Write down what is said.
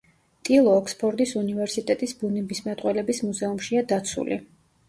ტილო ოქსფორდის უნივერსიტეტის ბუნებისმეტყველების მუზეუმშია დაცული.